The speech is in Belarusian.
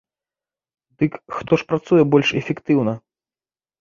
Дык хто ж працуе больш эфектыўна?